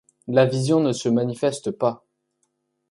La vision ne se manifeste pas.